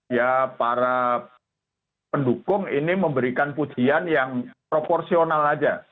ya para pendukung ini memberikan pujian yang proporsional saja